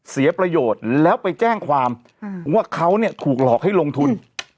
เสียประโยชน์แล้วไปแจ้งความว่าเขาเนี่ยถูกหลอกให้ลงทุน